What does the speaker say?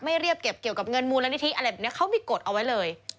เรียบเก็บเกี่ยวกับเงินมูลนิธิอะไรแบบนี้เขามีกฎเอาไว้เลย